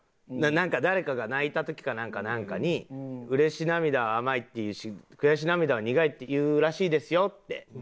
なんか誰かが泣いた時かなんかに嬉し涙は甘いって言うし悔し涙は苦いって言うらしいですよって。